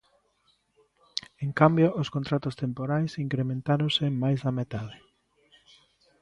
En cambio, os contratos temporais incrementáronse en máis da metade.